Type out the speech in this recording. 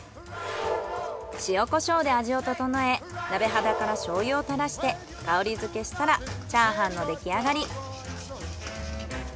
塩コショウで味を調え鍋肌から醤油をたらして香り付けしたらチャーハンの出来上がり。